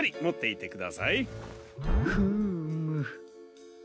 フーム。